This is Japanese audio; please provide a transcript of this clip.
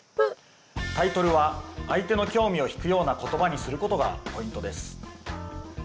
タイトルは相手の興味をひくようなことばにすることがポイントです。